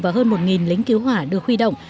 và hơn một lính cứu hỏa được huy động